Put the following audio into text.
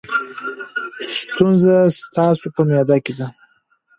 ستونزه ستاسو په معده کې ده.